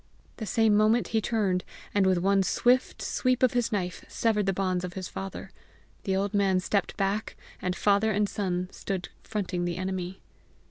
The same moment he turned, and with one swift sweep of his knife, severed the bonds of his father. The old man stepped back, and father and son stood fronting the enemy.